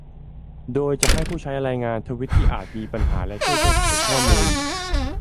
โดยจะให้ผู้ใช้รายงานทวีตที่อาจมีปัญหาและช่วยแก้ไขข้อมูล